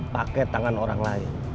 pakai tangan orang lain